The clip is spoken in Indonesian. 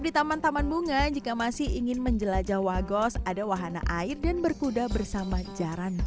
di taman taman bunga jika masih ingin menjelajah wagos ada wahana air dan berkuda bersama jaran